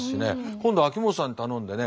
今度秋元さんに頼んでね